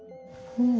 うん。